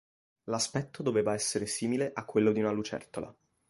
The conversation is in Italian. L'aspetto doveva essere simile a quello di una lucertola.